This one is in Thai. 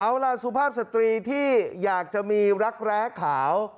เอาล่ะสุภาพสตรีที่อยากจะมีรักแร้ขาว